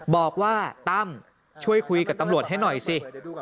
ตั้มช่วยคุยกับตำรวจให้หน่อยสิ